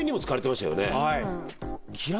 はい。